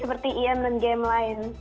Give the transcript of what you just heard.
seperti em dan game lain